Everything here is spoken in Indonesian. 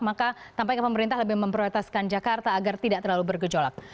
maka tampaknya pemerintah lebih memprioritaskan jakarta agar tidak terlalu bergejolak